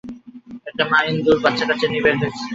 একটা মা-ইন্দুর বাচ্চাকাচ্চা নিয়ে বের হয়েছে।